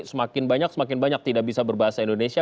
semakin banyak semakin banyak tidak bisa berbahasa indonesia